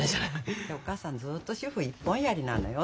お母さんずっと主婦一本やりなのよ。